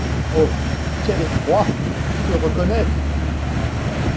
Oh ! quel effroi ! se reconnaître